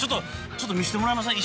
ちょっと見せてもらえません？